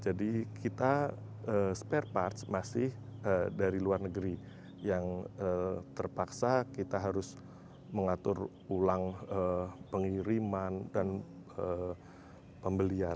jadi kita spare parts masih dari luar negeri yang terpaksa kita harus mengatur ulang pengiriman dan pembelian